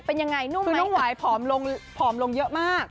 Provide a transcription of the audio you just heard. เป็นยังไงนุ่มไหมค่ะคือน้องหวายผอมลงเยอะมาก